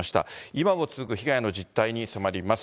今も続く被害の実態に迫ります。